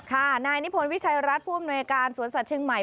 นายนิพนธวิชัยรัฐผู้อำนวยการสวนสัตวเชียงใหม่